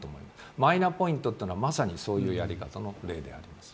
マイナポイントというのはまさにそういうやり方の例であります。